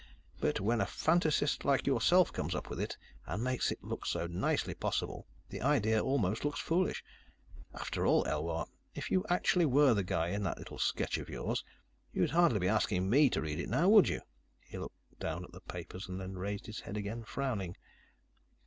"But when a fantasist like yourself comes up with it, and makes it look so nicely possible, the idea almost looks foolish. After all, Elwar, if you actually were the guy in that little sketch of yours, you'd hardly be asking me to read it, now would you?" He looked down at the papers, then raised his head again, frowning.